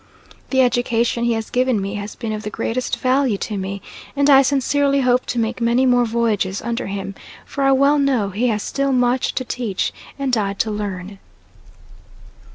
The education he has given me has been of the greatest value to me, and I sincerely hope to make many more voyages under him, for I well know he has still much to teach and I to learn.